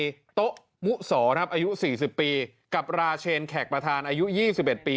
โต๊ะมุสอครับอายุ๔๐ปีกับราเชนแขกประธานอายุ๒๑ปี